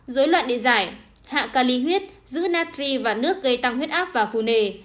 dối loạn địa giải hạ ca ly huyết giữ natri và nước gây tăng huyết ác và phù nề